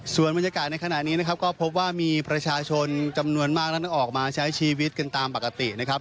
ส่วนบรรยากาศในขณะนี้นะครับก็พบว่ามีประชาชนจำนวนมากนั้นออกมาใช้ชีวิตกันตามปกตินะครับ